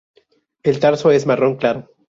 El tarso es marrón claro.